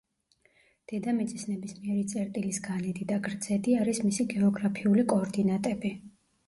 დედამიწის ნებისმიერი წერტილის განედი და გრძედი არის მისი გეოგრაფიული კოორდინატები.